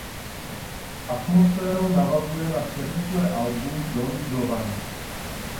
Atmosférou navazuje na předešlé album Don Giovanni.